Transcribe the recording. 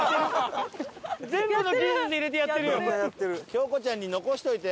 京子ちゃんに残しといて。